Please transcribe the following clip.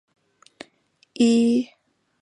伊塔茹是巴西圣保罗州的一个市镇。